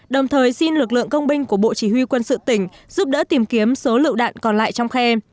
đồng thời xin lực lượng công binh của bộ chỉ huy quân sự tỉnh giúp đỡ tìm kiếm số lựu đạn còn lại trong khe